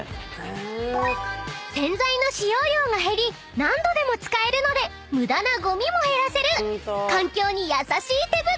［洗剤の使用量が減り何度でも使えるので無駄なゴミも減らせる環境に優しい手袋］